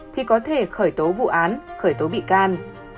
thì có thể khởi tố vụ án khởi tố bị can